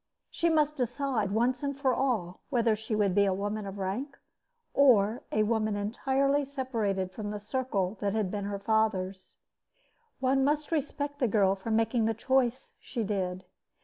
She must decide once for all whether she would be a woman of rank or a woman entirely separated from the circle that had been her father's. One must respect the girl for making the choice she did.